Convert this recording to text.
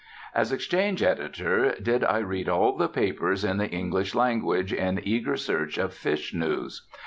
As exchange editor, did I read all the papers in the English language in eager search of fish news.